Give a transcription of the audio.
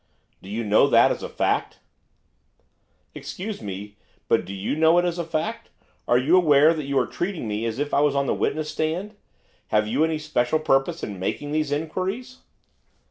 'Do you know that as a fact?' 'Excuse me, but do you know it as a fact? Are you aware that you are treating me as if I was on the witness stand? Have you any special purpose in making these inquiries?